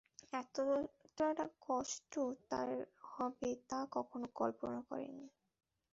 এতটা কষ্ট তার হবে তা কখনো কল্পনা করেননি।